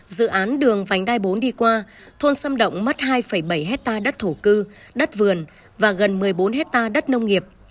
dự án đường vánh đai bốn đi qua thôn sâm động mất hai bảy hectare đất thổ cư đất vườn và gần một mươi bốn hectare đất nông nghiệp